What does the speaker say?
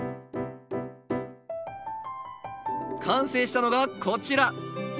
完成したのがこちら。